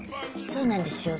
そうなんですよ。